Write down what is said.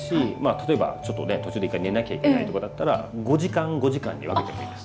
例えばちょっとね途中で寝なきゃいけないとかだったら５時間５時間に分けてもいいです。